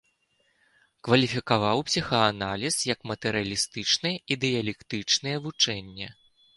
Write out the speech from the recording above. Кваліфікаваў псіхааналіз як матэрыялістычнае, і дыялектычнае вучэнне.